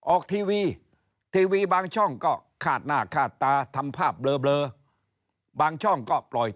ออกทีวีทีวีบางช่องก็คาดหน้าคาดตาทำภาพเบลอ